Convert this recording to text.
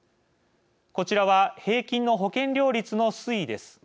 こちらは平均の保険料率の推移です。